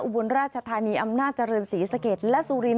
อุบลราชธานีอำนาจริงสีสะเกดและสุริน